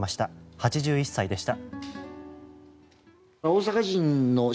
８１歳でした。